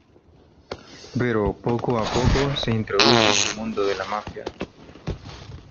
Pero, poco a poco, se introduce en el mundo de la mafia.